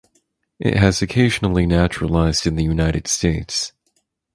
It has occasionally naturalized in the United States.